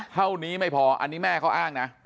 เท่านี้ไม่พออันนี้แม่เขาอ้างนะ